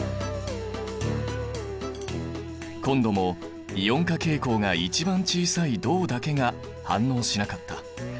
今度もイオン化傾向が一番小さい銅だけが反応しなかった。